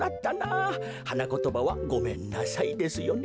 はなことばは「ごめんなさい」ですよね。